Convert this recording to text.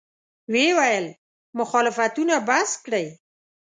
ویې ویل: مخالفتونه بس کړئ.